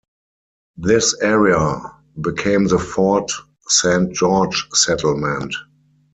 This area became the Fort Saint George settlement.